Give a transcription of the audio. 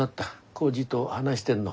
耕治と話してんの？